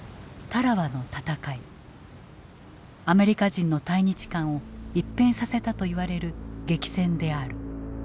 アメリカ人の対日観を一変させたといわれる激戦である。